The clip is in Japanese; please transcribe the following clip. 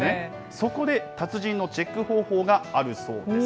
そこで達人のチェック方法があるそうです。